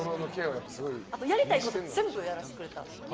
あとやりたいこと全部やらせてくれた。